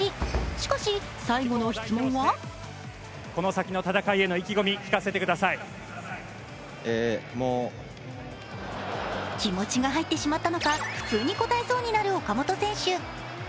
しかし、最後の質問は気持ちが入ってしまったのか、普通に答えそうになる岡本選手。